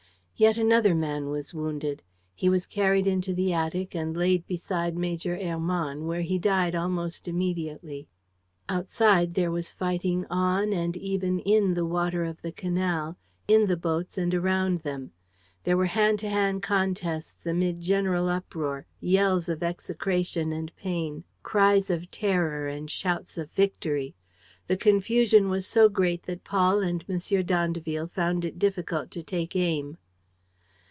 Yet another man was wounded. He was carried into the attic and laid beside Major Hermann, where he died almost immediately. Outside, there was fighting on and even in the water of the canal, in the boats and around them. There were hand to hand contests amid general uproar, yells of execration and pain, cries of terror and shouts of victory. The confusion was so great that Paul and M. d'Andeville found it difficult to take aim.